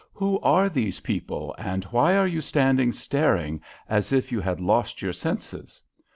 "Who are these people, and why are you standing staring as if you had lost your senses?"